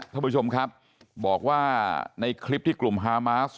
ท่านผู้ชมครับบอกว่าในคลิปที่กลุ่มฮามาส